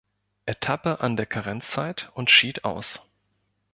Etappe an der Karenzzeit und schied aus.